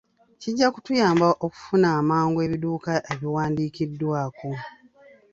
Kijja kutuyamba okufuna amangu ebidduka ebiwandiikiddwako.